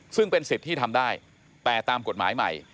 ซึ่งเป็นสิทธิ์ที่ทำได้แต่ตามกฎหมายใหม่